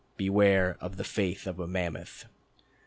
Beware of the faith of a mammoth."